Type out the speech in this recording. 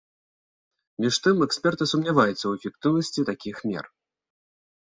Між тым эксперты сумняваюцца ў эфектыўнасці такіх мер.